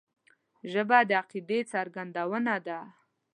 ژبه د عقیدې څرګندونه ده